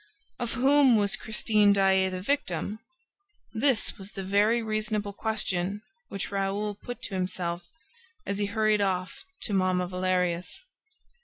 Of whom was Christine Daae the victim? This was the very reasonable question which Raoul put to himself as he hurried off to Mamma Valerius.